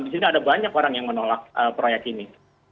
di sini ada banyak orang yang menolak proyek ini